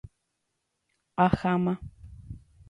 Aháma.